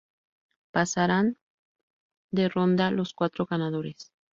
Pasarán de ronda los cuatro ganadores.